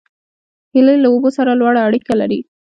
هیلۍ له اوبو سره لوړه اړیکه لري